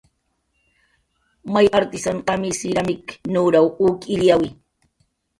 May artisan qamish siramik nuraw uk illyawi